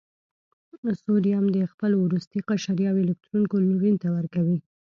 سوډیم د خپل وروستي قشر یو الکترون کلورین ته ورکوي.